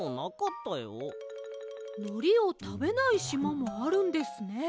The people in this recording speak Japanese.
のりをたべないしまもあるんですね。